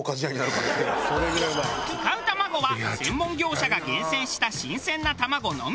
使う卵は専門業者が厳選した新鮮な卵のみ。